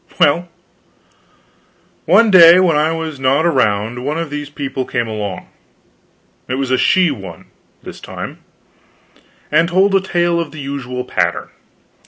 Well, one day when I was not around, one of these people came along it was a she one, this time and told a tale of the usual pattern.